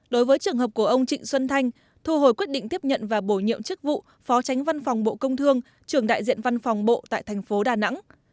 đối với trường hợp của ông trịnh xuân thanh thu hồi quyết định tiếp nhận và bổ nhiệm chức vụ phó tránh văn phòng bộ công thương trưởng đại diện văn phòng bộ tại thành phố đà nẵng